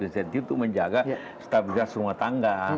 insentif untuk menjaga stabilitas rumah tangga